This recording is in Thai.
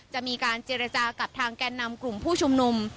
จะมีการเจรจากับทางแก่นำกลุ่มผู้ชุมนุม